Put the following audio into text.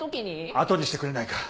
あとにしてくれないか。